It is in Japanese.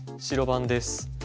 白番です。